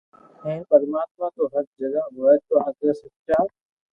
ھين پرماتما تو ھر جگھ ھوئي تو اگر سچا